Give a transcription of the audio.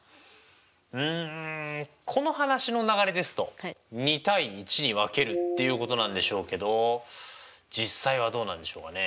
うんこの話の流れですと２：１に分けるっていうことなんでしょうけど実際はどうなんでしょうかねえ？